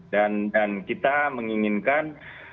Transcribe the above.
dan dan kita menginginkan